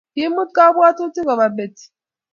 Kiimut kabwatutik Koba Betty